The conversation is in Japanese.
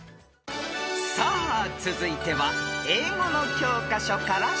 ［さあ続いては英語の教科書から出題］